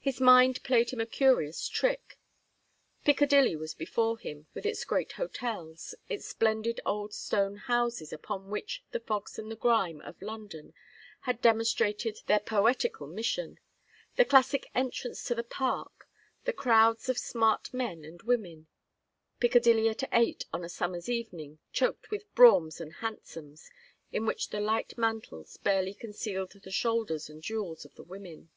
His mind played him a curious trick. Piccadilly was before him with its great hotels, its splendid old stone houses upon which the fogs and the grime of London had demonstrated their poetical mission, the classic entrance to the Park, the crowds of smart men and women; Piccadilly at eight on a summer's evening choked with broughams and hansoms, in which the light mantles barely concealed the shoulders and jewels of the women.